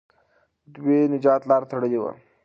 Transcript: دوی د نجات لاره تړلې وه.